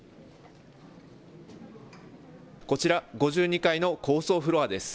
こち、ら５２階の高層フロアです。